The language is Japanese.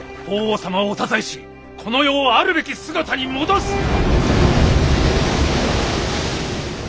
法皇様をお支えしこの世をあるべき姿に戻す！